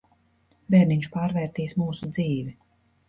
Bērniņš pārvērtīs mūsu dzīvi.